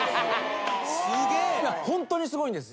ホントにすごいんです。